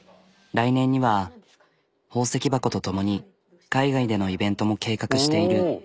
来年にはほうせき箱と共に海外でのイベントも計画している。